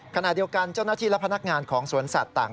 ขณะเดียวกันเจ้าหน้าที่และพนักงานของสวนสัตว์ต่าง